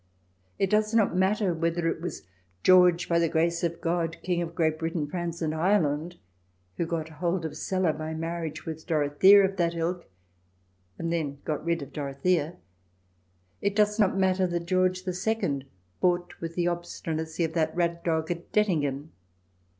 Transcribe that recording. It does not matter whether it was George by the grace of God King of Great Britain, France and Ireland, who got hold of Celle by mar riage with Dorothea of that ilk, and then got rid of Dorothea. It does not matter that George II fought with the obstinacy of that rat dog at Dettingen.